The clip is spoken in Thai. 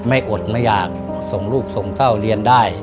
อดไม่อยากส่งลูกส่งเข้าเรียนได้